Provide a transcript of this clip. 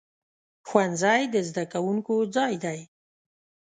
ښوونځی د زده کوونکو ځای دی.